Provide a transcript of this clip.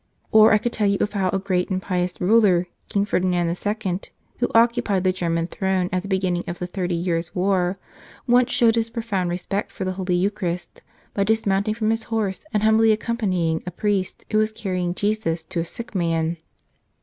Or I could tell you of how a great and pious ruler, King Ferdinand II, who occupied the German throne at the beginning of the Thirty Years' War, once showed his profound respect for the Holy Eucharist by dismounting from his horse and humbly accom¬ panying a priest who was carrying Jesus to a sick man.